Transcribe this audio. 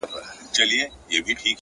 علم د تجربې نه لوړ ارزښت لري.!